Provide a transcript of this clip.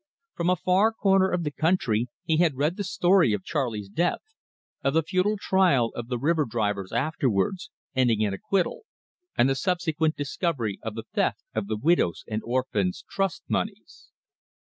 From a far corner of the country he had read the story of Charley's death; of the futile trial of the river drivers afterwards, ending in acquittal, and the subsequent discovery of the theft of the widows' and orphans' trust moneys.